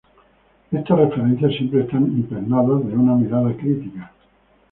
Estas referencias siempre están impregnadas de una mirada crítica.